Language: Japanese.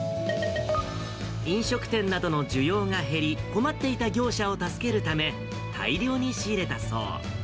飲食店などの需要が減り、困っていた業者を助けるため、大量に仕入れたそう。